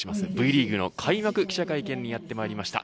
Ｖリーグの開幕記者会見にやってまりました。